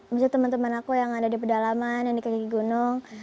misalnya teman teman aku yang ada di pedalaman yang di kaki gunung